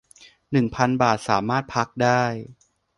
หนึ่งพัน บาท สามารถพักได้